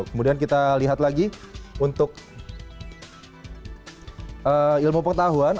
kemudian kita lihat lagi untuk ilmu pengetahuan